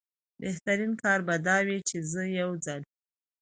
بهترین کار به دا وي چې زه یو ځل.